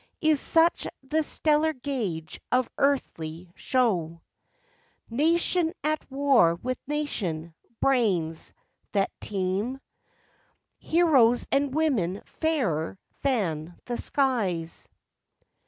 Is such the stellar gauge of earthly show, Nation at war with nation, brains that teem, Heroes, and women fairer than the skies?